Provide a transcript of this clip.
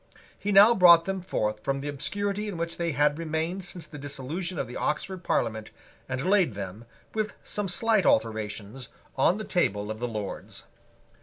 He now brought them forth from the obscurity in which they had remained since the dissolution of the Oxford Parliament, and laid them, with some slight alterations, on the table of the Lords.